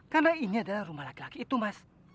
karena ini adalah rumah laki laki itu mas